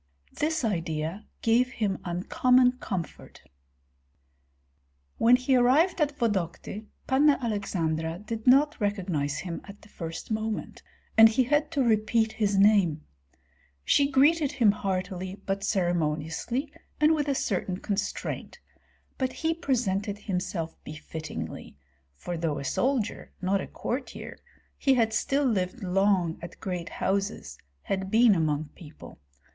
This idea gave him uncommon comfort. When he arrived at Vodokty, Panna Aleksandra did not recognize him at the first moment, and he had to repeat his name. She greeted him heartily, but ceremoniously and with a certain constraint; but he presented himself befittingly, for though a soldier, not a courtier, he had still lived long at great houses, had been among people.